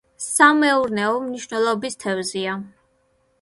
სამეურნეო მნიშვნელობის თევზია.